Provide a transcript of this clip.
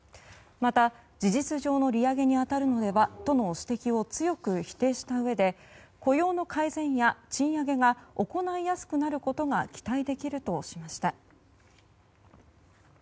また事実上の利上げに当たるのではとの指摘を強く否定したうえで雇用の改善や賃上げが行いやすくなることが期待できるとしました。